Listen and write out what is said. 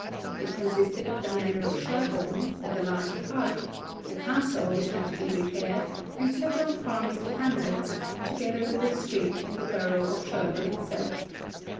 It consisted of the manor of Sherborne, with a large park, a castle which had to be repaired, and several farms and hamlets, together with a street in the borough of Sherborne itself.